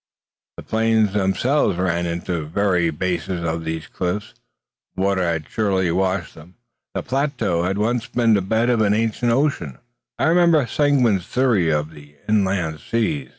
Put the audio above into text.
The plains themselves ran into the very bases of these, cliffs. Water had surely washed them. These plateaux had once been the bed of an ancient ocean. I remembered Seguin's theory of the inland seas.